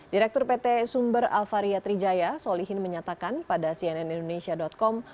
direktur pt sumber alvaria trijaya solihin menyatakan pada cnn indonesia com